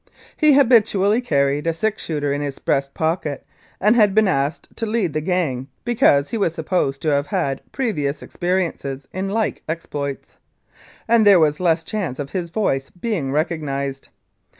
He habitually carried a six shooter in his breast pocket, and had been asked to lead the gang because he was supposed to have had previous ex periences in like exploits, and there was less chance of his voice being recognised.